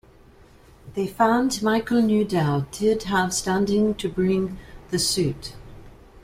They found Michael Newdow "did" have standing to bring the suit.